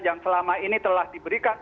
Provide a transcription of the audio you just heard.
yang selama ini telah diberikan